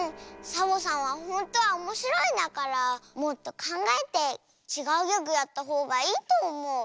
サボさんはほんとはおもしろいんだからもっとかんがえてちがうギャグやったほうがいいとおもう。